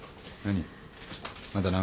何？